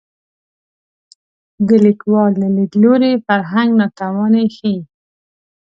د لیکوال له لید لوري فرهنګ ناتواني ښيي